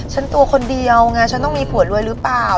ตัวคนเดียวไงฉันต้องมีผัวรวยหรือเปล่า